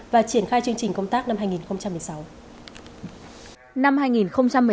và triển khai chương trình công tác năm hai nghìn một mươi sáu